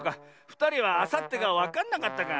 ふたりはあさってがわかんなかったか。